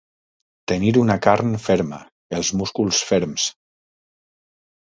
Tenir una carn ferma, els músculs ferms.